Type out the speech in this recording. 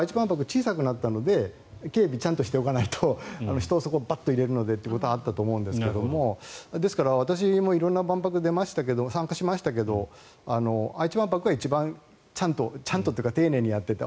小さくなったので警備をちゃんとしておかないと人をバッと入れるのでというのはあったと思うんですけどですから、私も色んな万博に参加しましたけど愛知万博が一番ちゃんとというか丁寧にやっていた。